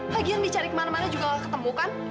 lagian dicari kemana mana juga gak ketemu kan